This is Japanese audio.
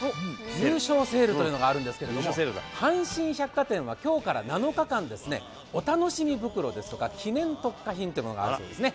優勝セールというのがあるんですけれども阪神百貨店は今日から７日間、お楽しみ袋ですとか記念特価品というものがあるそうですね。